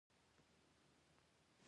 آیا دوی د استخراج جواز نه ورکوي؟